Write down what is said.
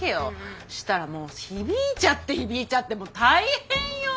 したらもう響いちゃって響いちゃってもう大変よ。